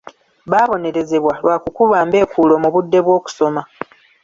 Baabonerezebwa lwa kukuba mbeekuulo mu budde bw'okusoma.